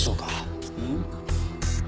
うん？